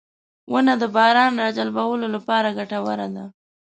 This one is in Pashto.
• ونه د باران راجلبولو لپاره ګټوره ده.